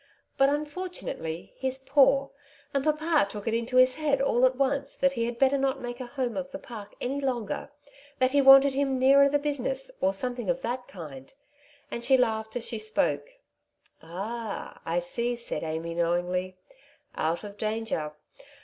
But unfortunately he^s poor ; and papa took it into his head all at once that he had better not make a home of the Park any longer, that he wanted him nearer the business, or something of that kind,^^ and she laughed as she spoke. "Ah, I see," said Amy knowingly; "out of danger.